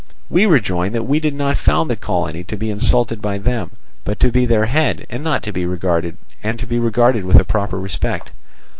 We rejoin that we did not found the colony to be insulted by them, but to be their head and to be regarded with a proper respect.